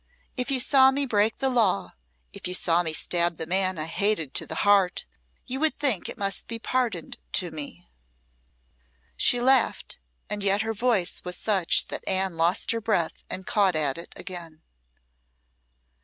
If you saw me break the law if you saw me stab the man I hated to the heart, you would think it must be pardoned to me." She laughed, and yet her voice was such that Anne lost her breath and caught at it again.